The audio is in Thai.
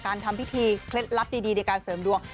ทำพิธีเคล็ดลับดีในการเสริมดวง